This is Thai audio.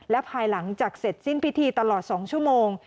และภายหลังจากเสร็จสิ้นพิธีตลอด๒ชั่วโมง